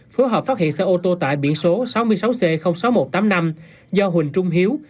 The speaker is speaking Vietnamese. phối hợp phát hiện xe ô tô tải biển số sáu mươi sáu c sáu nghìn một trăm tám mươi năm do huỳnh trung hiếu